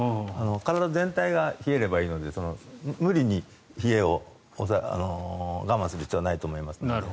体全体が冷えればいいので無理に冷えを我慢する必要はないと思いますね。